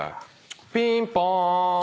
ピンポーン。